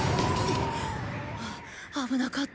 あ危なかった。